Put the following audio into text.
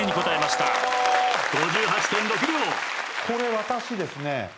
これ私ですね